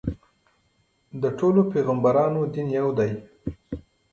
د ټولو پیغمبرانو دین یو دی.